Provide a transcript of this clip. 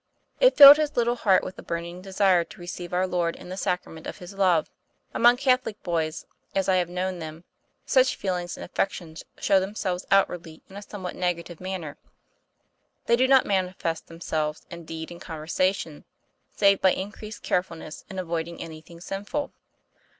It filled his little heart with a burning desire to receive Our Lord in the sacrament of His love. Among Catholic boys as I have known them such feelings and affections show themselves outwardly in a somewhat negative manner. They do not manifest themselves in deed and conversation, save by increased carefulness in avoiding anything sinful.